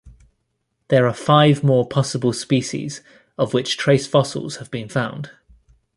There are five more possible species of which trace fossils have been found.